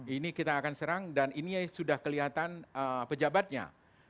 ini kita akan serang dan ini sudah kelihatan pejabatnya